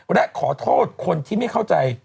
และขอโทษคนที่ไม่เข้าใจ